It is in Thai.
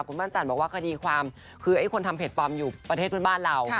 คุณปั้นจันทร์บอกว่าคดีความคือไอ้คนทำเพจปลอมอยู่ประเทศเพื่อนบ้านเรา